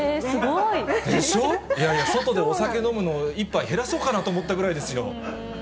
いやいや、外でお酒飲むの１杯減らそうかなと思ったぐらいですよ。